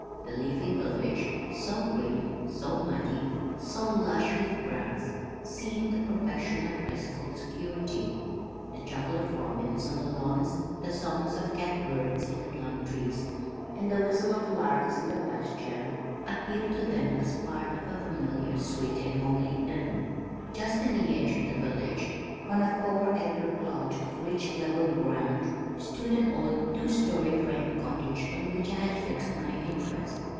The leafy village, so green, so muddy, so lush with grass, seemed the perfection of restful security. The chuckle of robins on the lawns, the songs of cat birds in the plum trees and the whistle of larks in the pasture appealed to them as parts of a familiar sweet and homely hymn. Just in the edge of the village, on a four acre plot of rich level ground, stood an old two story frame cottage on which I had fixed my interest.